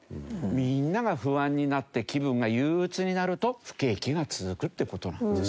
みんなが不安になって気分が憂鬱になると不景気が続くって事なんですよ。